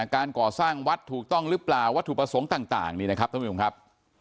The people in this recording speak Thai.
การก่อสร้างวัดถูกต้องหรือเปล่าวัตถุประสงค์ต่างนี่นะครับท่านผู้ชมครับ